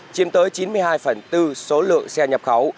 chiếm tới chín mươi hai phần bốn số lượng xe nhập khẩu